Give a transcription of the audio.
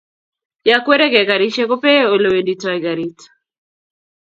ya kweregei garishek ko pee ole wenditoi garit